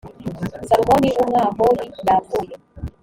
salumoni w umwahohi yapfuye